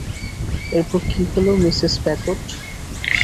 এরপর কি হল, মিসেস ব্যাগট?